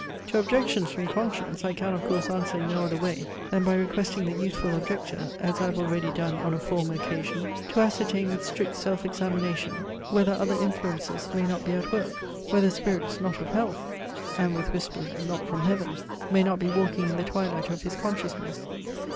To objections from conscience I can of course answer in no other way, than by requesting the youthful objector (as I have already done on a former occasion) to ascertain with strict self examination, whether other influences may not be at work; whether spirits, "not of health," and with whispers "not from heaven," may not be walking in the twilight of his consciousness.